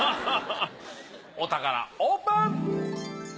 お宝オープン！